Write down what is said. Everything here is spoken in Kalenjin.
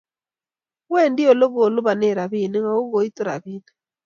Wendi olegilupane robinik ago goito robinik